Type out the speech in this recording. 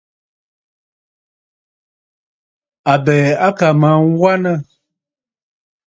Àbɛ̀ɛ̀ à kà mə aa wanə.